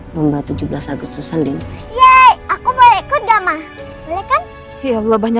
begitu datang cuma di mobil aja